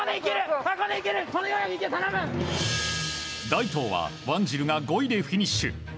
大東はワンジルが５位でフィニッシュ。